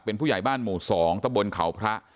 เป็นผู้ใหญ่บ้านหมู่๒ตะบนเขาพระ